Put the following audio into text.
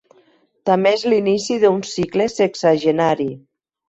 També és l"inici d"un cicle sexagenari.